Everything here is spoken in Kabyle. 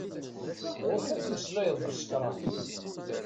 Ɣur-k ad tmeslayeḍ d usekṛan.